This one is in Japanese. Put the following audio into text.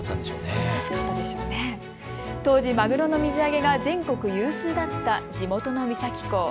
当時、マグロの水揚げが全国有数だった地元の三崎港。